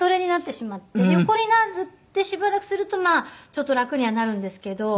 横になってしばらくするとちょっと楽にはなるんですけど。